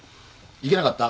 いけなかった？